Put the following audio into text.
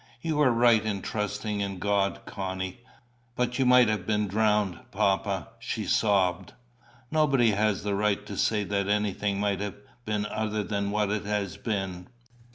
"You were right in trusting in God, Connie." "But you might have been drowned, papa!" she sobbed. "Nobody has a right to say that anything might have been other than what has been.